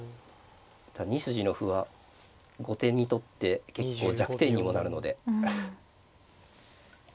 ２筋の歩は後手にとって結構弱点にもなるので。